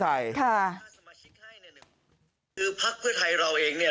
สมาชิกให้หนึ่งหนึ่งคือภาคเพื่อไทยเราเองเนี่ย